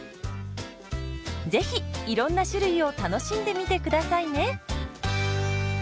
是非いろんな種類を楽しんでみて下さいね。